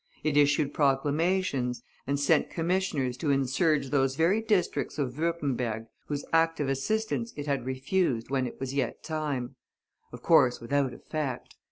It issued proclamations, and sent commissioners to insurge those very districts of Würtemberg whose active assistance it had refused when it was yet time; of course, without effect.